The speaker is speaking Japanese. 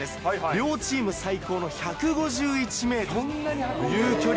両チーム最高の１５１メートルという距離。